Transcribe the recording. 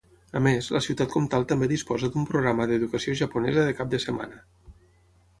A més, la ciutat comtal també disposa d'un programa d'educació japonesa de cap de setmana.